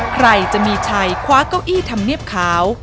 ใครจะมีชัยคว้าเก้าอี้ธรรมเนียบขาว